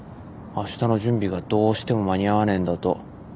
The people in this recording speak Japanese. あしたの準備がどうしても間に合わねえんだと。